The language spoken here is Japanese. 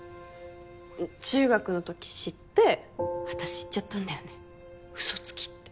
中学のとき知って私言っちゃったんだよねうそつきって。